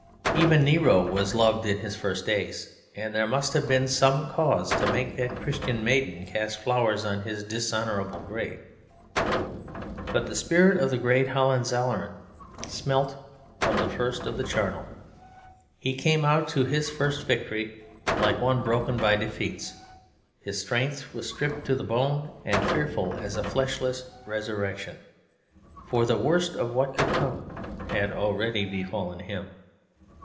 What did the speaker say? Even Nero was loved in his first days: and there must have been some cause to make that Christian maiden cast flowers on his dishonourable grave. But the spirit of the great Hohenzollern smelt from the first of the charnel. He came out to his first victory like one broken by defeats; his strength was stripped to the bone and fearful as a fleshless resurrection; for the worst of what could come had already befallen him.